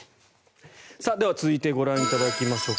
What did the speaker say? では、続いてご覧いただきましょうか。